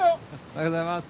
おはようございます。